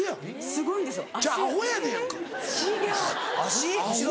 すごいですよ！